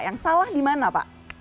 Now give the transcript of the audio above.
yang salah di mana pak